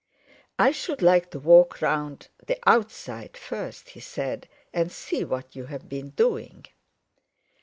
"I should like to walk round the outside first," he said, "and see what you've been doing!"